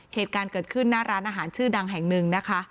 เหตุการณ์เกิดขึ้นหน้าร้านอาหารชื่อดังแห่งหนึ่งนะคะ